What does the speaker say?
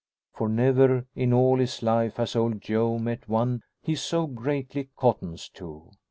For never in all his life has old Joe met one he so greatly cottons to.